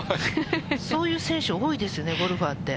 そういう選手、多いですね、ゴルファーって。